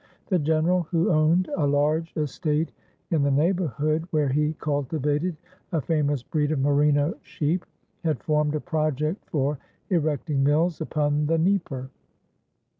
The general, who owned a large estate in the neighbourhood, where he cultivated a famous breed of Merino sheep, had formed a project for erecting mills upon the Dnieper.